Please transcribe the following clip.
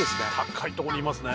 高いとこにいますね。